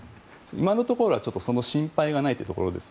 今のところはその心配がないということです。